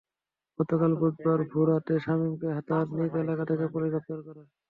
গতকাল বুধবার ভোর রাতে শামীমকে তাঁর নিজ এলাকা থেকে পুলিশ গ্রেপ্তার করে।